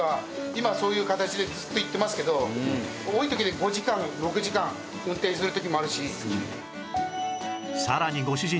今そういう形でずっと行ってますけど多い時で５時間６時間運転する時もあるし。